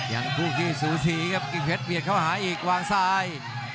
อย่างผู้ที่สูทีครับจริงเทศเวียดเข้าหาอีกวางซ้าย